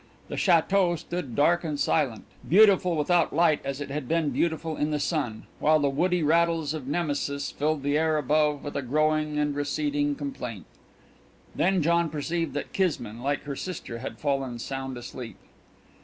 The château stood dark and silent, beautiful without light as it had been beautiful in the sun, while the woody rattles of Nemesis filled the air above with a growing and receding complaint. Then John perceived that Kismine, like her sister, had fallen sound asleep.